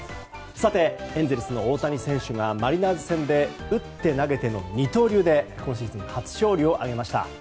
エンゼルスの大谷選手がマリナーズ戦で打って投げての二刀流で今シーズン初勝利を挙げました。